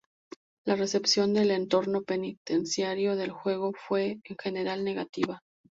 La recepción del entorno penitenciario del juego fue en general negativa.